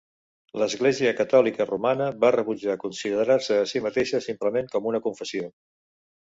L'Església Catòlica Romana va rebutjar considerar-se a si mateixa simplement com una confessió.